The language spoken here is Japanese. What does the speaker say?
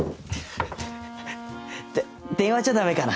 で電話じゃダメかな？